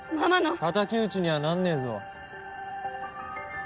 敵討ちにはなんねえぞ。